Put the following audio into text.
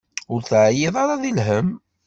Ur teɛyiḍ ara di lhemm?